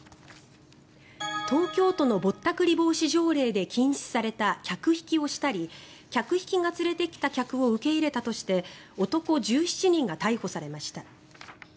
東京都のぼったくり防止条例で禁止された客引きをしたり客引きが連れてきた客を受け入れたとして男１７人が逮捕されました。